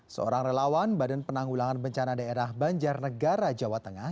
seorang relawan badan penanggulangan bencana daerah banjarnegara jawa tengah